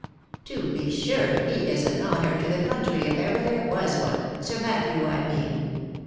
To be sure he is an honour to the country if ever there was one, Sir Matthew, I mean.